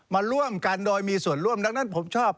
มาร่วมกันโดยมีส่วนร่วมดังนั้นผมชอบ